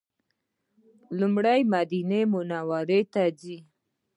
لومړی مدینې منورې ته ځو.